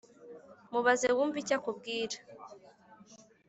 Mubaze wumve icyo akubwira